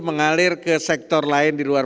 mengalir ke sektor lain di luar